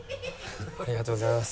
ありがとうございます。